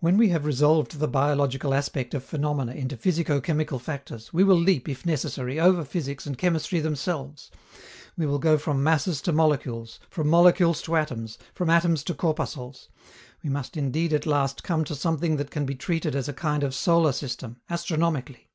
When we have resolved the biological aspect of phenomena into physico chemical factors, we will leap, if necessary, over physics and chemistry themselves; we will go from masses to molecules, from molecules to atoms, from atoms to corpuscles: we must indeed at last come to something that can be treated as a kind of solar system, astronomically.